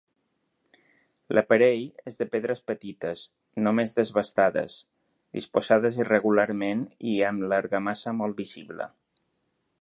L'aparell és de pedres petites, només desbastades, disposades irregularment i amb l'argamassa molt visible.